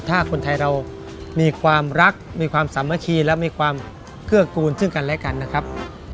ถ้าคนไทยเรามีความรักมีความสามัคคีและมีความเกื้อกูลซึ่งกันและกันนะครับ